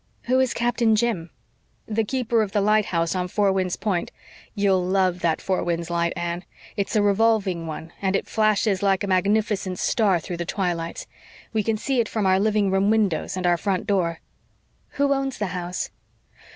"Who is Captain Jim?" "The keeper of the lighthouse on Four Winds Point. You'll love that Four Winds light, Anne. It's a revolving one, and it flashes like a magnificent star through the twilights. We can see it from our living room windows and our front door." "Who owns the house?"